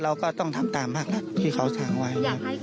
เราก็ต้องตามมากนะที่เขาชางไหว